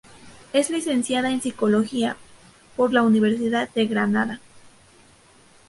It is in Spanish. Es licenciada en Psicología por la Universidad de Granada.